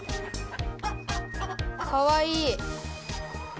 かわいい。